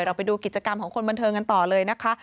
เราไปดูกิจกรรมของคนบันเทิงกันต่อเลยนะคะ